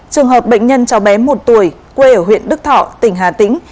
trường hợp bệnh nhân cháu bé một tuổi quê ở huyện đức thọ tỉnh hà tĩnh